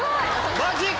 マジか！